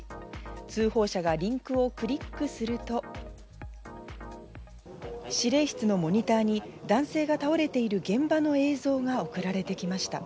通報者がリンクをクリックすると、指令室のモニターに男性が倒れている現場の映像が送られてきました。